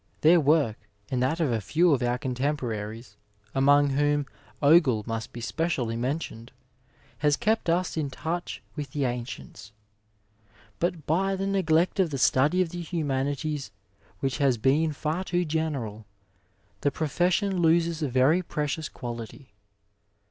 Their work, and that of a few of our contemporaries, among 174 Digitized by VjOOQiC BRITISH MEDIdlNE IN GREATER BRITAIN whom Ogle must be specially mentioned, has kept ns in touch with the ancients. But by the neglect of the study of the humanities, which has been far too general, the profession loses a very precious quality.